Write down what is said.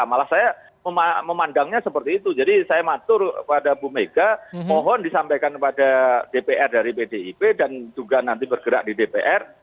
malah saya memandangnya seperti itu jadi saya matur pada bu mega mohon disampaikan kepada dpr dari pdip dan juga nanti bergerak di dpr